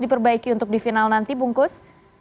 diperbaiki untuk di final nanti bungkus